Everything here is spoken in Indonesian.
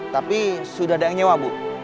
tapi sudah ada yang nyewa bu